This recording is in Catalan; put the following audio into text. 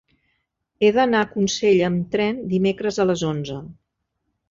He d'anar a Consell amb tren dimecres a les onze.